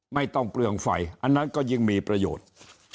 ไม่ต้องเปลืองไฟอันนั้นก็ยิ่งมีประโยชน์